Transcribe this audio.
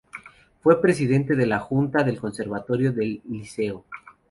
Fue presidente de la Junta del Conservatorio del Liceo.